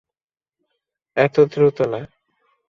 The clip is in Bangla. এত দ্রুত না।